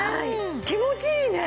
気持ちいいね！